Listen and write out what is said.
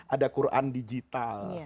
ada al quran digital